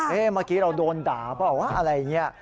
เมื่อกี้เราโดนด่าเปล่าวะอะไรอย่างนี้